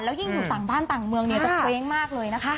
แล้วยิ่งอยู่ต่างบ้านต่างเมืองจะเกวงมากเลยนะคะ